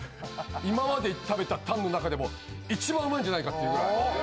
今まで食べたタンの中でも一番うまいんじゃないかっていうぐらい。